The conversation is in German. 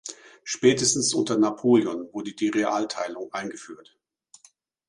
Spätestens unter Napoleon wurde die Realteilung eingeführt.